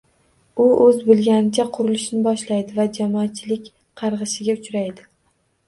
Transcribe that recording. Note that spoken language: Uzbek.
U oʻz bilganicha qurilishni boshlaydi va... jamoatchilik qargʻishiga uchraydi.